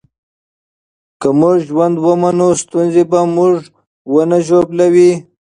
که موږ ژوند ومنو، ستونزې به موږ ونه ژوبلوي.